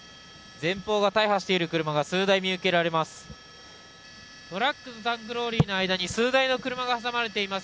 前方が大破している車が数台、見受けられます。